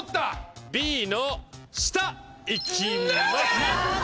Ｂの下いきます！